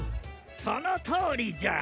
そのとおりじゃ！